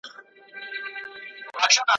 پر خپل حال باندي یې وایستل شکرونه ,